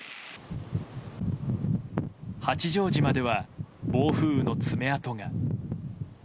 八丈島では暴風雨の爪痕が。